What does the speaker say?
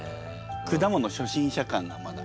果物初心者感がまだ。